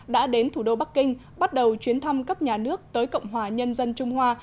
đã đến thủ đô bắc kinh bắt đầu chuyến thăm cấp nhà nước tới cộng hòa nhân dân trung hoa